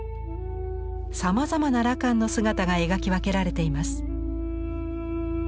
さまざまな羅漢の姿が描き分けられています。